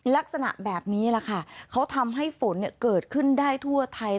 ลักษณะแบบนี้แหละค่ะเขาทำให้ฝนเกิดขึ้นได้ทั่วไทย